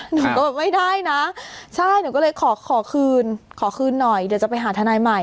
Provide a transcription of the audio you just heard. หนูก็แบบไม่ได้นะใช่หนูก็เลยขอขอคืนขอคืนหน่อยเดี๋ยวจะไปหาทนายใหม่